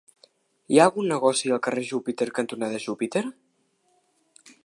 Hi ha algun negoci al carrer Júpiter cantonada Júpiter?